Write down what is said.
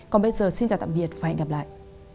còn bây giờ xin chào tạm biệt và hẹn gặp lại